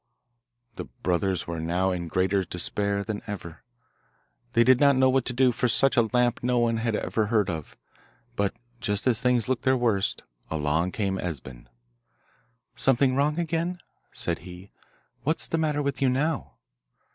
The brothers were now in greater despair than ever. They did not know what to do, for such a lamp no one had ever heard of. But just as things looked their worst along came Esben. 'Something wrong again?' said he. 'What's the matter with you now?